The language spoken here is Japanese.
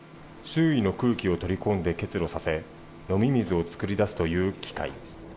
周囲の空気を取り込んで結露させ飲み水を作り出すという機械。